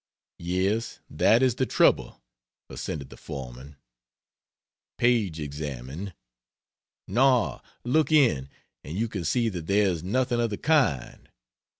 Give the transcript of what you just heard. "Yes, that is the trouble," assented the foreman. Paige examined. "No look in, and you can see that there's nothing of the kind."